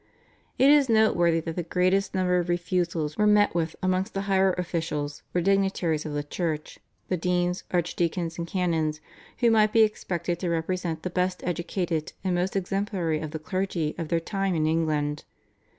It is noteworthy that the greatest number of refusals were met with amongst the higher officials or dignitaries of the Church, the deans, archdeacons, and canons, who might be expected to represent the best educated and most exemplary of the clergy of their time in England.